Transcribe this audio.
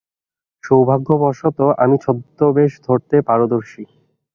সৌভাগ্যবশত, আমি ছদ্মবেশ ধরতে পারদর্শী।